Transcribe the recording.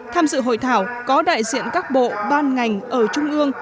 tham dự hội thảo có đại diện các bộ ban ngành ở trung ương